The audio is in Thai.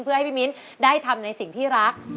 เพื่อให้พี่มิ้นได้ทำในสิ่งที่รัก